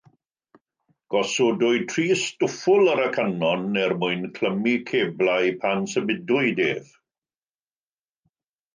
Gosodwyd tri stwffwl ar y canon er mwyn clymu ceblau pan symudwyd ef.